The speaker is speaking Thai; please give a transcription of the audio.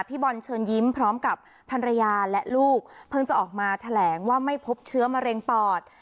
บอลเชิญยิ้มพร้อมกับภรรยาและลูกเพิ่งจะออกมาแถลงว่าไม่พบเชื้อมะเร็งปอด